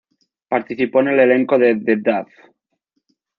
Participó en el elenco de The Duff.